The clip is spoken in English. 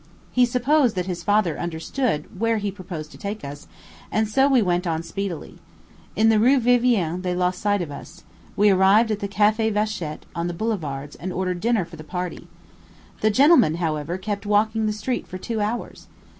He supposed that his father understood where he proposed to take us, and so we went on speedily. In the Rue Vivienne they lost sight of us; we arrived at the Café Vachette, on the boulevards, and ordered dinner for the party. The gentlemen, however, kept walking the street for two hours.